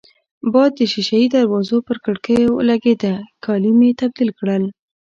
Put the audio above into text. باد د شېشه يي دروازو پر کړکېو لګېده، کالي مې تبدیل کړل.